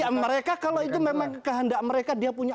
ya mereka kalau itu memang kehendak mereka